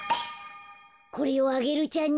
これをアゲルちゃんに。